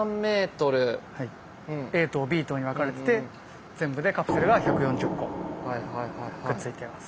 Ａ棟Ｂ棟に分かれてて全部でカプセルが１４０個くっついてます。